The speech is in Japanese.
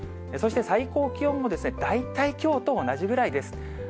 そして最高気温も、大体きょうと同じぐらいです。